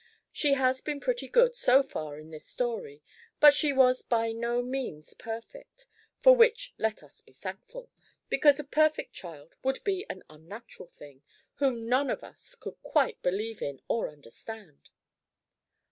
She has been pretty good, so far, in this story; but she was by no means perfect, for which let us be thankful; because a perfect child would be an unnatural thing, whom none of us could quite believe in or understand!